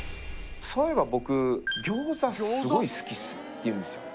「そういえば僕ギョーザすごい好きっす」って言うんですよ